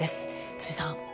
辻さん。